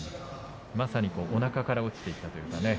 まさに、おなかから落ちていったというかね